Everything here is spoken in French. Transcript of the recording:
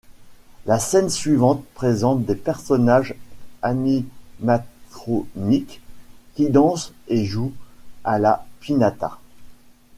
La scène suivante présente des personnages animatroniques qui dansent et jouent à la pinata.